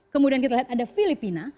kemudian kita lihat ada filipina